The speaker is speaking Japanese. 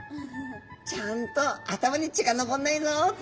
ちゃんと頭に血がのぼんないぞって。